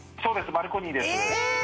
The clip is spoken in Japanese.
バルコニーです。